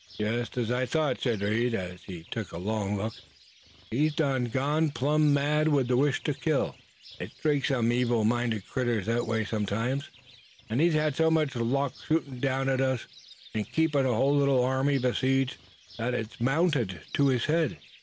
"Jest as I thought," said Reed, as he took a long look. "He's done gone plum' mad with the wish to kill. It strikes them evil minded critters that way sometimes, an' he's had so much luck shootin' down at us, an' keepin' a whole little army besieged that it's mounted to his head.